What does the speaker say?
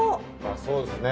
そうですね。